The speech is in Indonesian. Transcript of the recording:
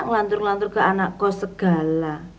ngelantur ngelantur ke anak kos segala